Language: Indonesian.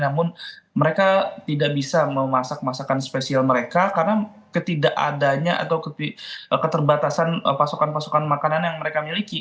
namun mereka tidak bisa memasak masakan spesial mereka karena ketidakadanya atau keterbatasan pasokan pasokan makanan yang mereka miliki